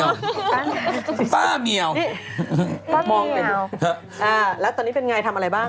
แล้วตอนนี้เป็นไงทำอะไรบ้าง